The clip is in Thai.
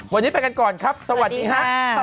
วันนี้ไปกันก่อนครับสวัสดีครับ